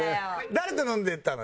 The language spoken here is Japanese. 誰と飲んでたの？